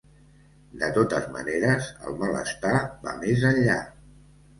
De totes maneres, el malestar va més enllà.